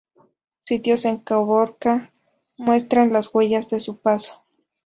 Sitios en Caborca muestran las huellas de su paso.